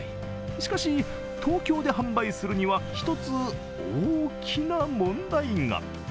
しかし、東京で販売するには１つ大きな問題が。